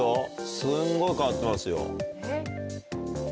すんごい変わってますよ。